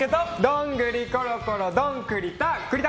どんぐりころころどん栗田！